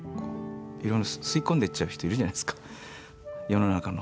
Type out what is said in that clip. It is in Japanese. いろいろ吸い込んでっちゃう人いるじゃないですか。